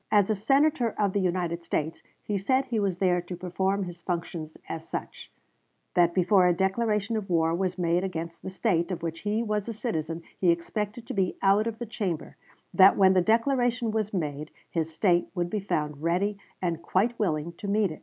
As a Senator of the United States he said he was there to perform his functions as such; that before a declaration of war was made against the State of which he was a citizen he expected to be out of the Chamber; that when that declaration was made his State would be found ready and quite willing to meet it.